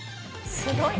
すごいな。